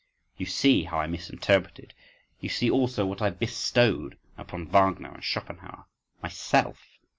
You see how I misinterpreted, you see also, what I bestowed upon Wagner and Schopenhauer—myself.